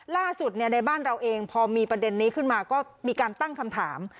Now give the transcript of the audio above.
ล่าสุดในบ้านเราเองพอมีประเด็นนี้ขึ้นมาก็มีการตั้งคำถาม